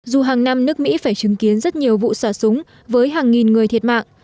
dù hàng năm nước mỹ phải chứng kiến rất nhiều vụ xả súng với hàng nghìn người thiệt mạng